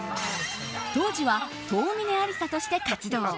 当時は遠峯ありさとして活動。